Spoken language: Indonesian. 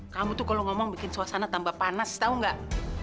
kamu tuh kalo ngomong bikin suasana tambah panas tau gak